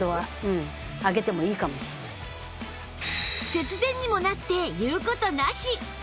節電にもなって言う事なし！